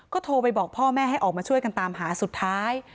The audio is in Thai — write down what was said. โทรไปบอกพ่อแม่ให้ออกมาช่วยกันตามหาสุดท้าย